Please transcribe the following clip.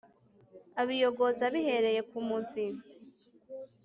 abiyogoza abihereye ku muzi